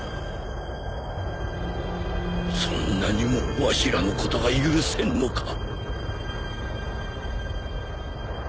そんなにもわしらのことが許せんのか？